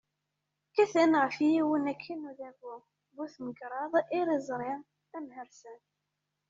Kkaten ɣef yiwen akken udabu bu-tmegraḍ, iriẓri, amhersan.